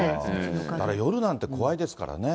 だからよるなんて怖いですからね。